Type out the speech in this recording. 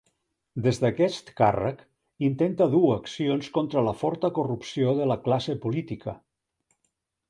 Des d'aquest càrrec intenta dur accions contra la forta corrupció de la classe política.